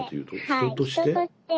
人として？